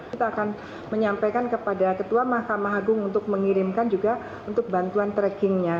kita akan menyampaikan kepada ketua mahkamah agung untuk mengirimkan juga untuk bantuan trackingnya